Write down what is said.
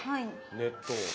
熱湯。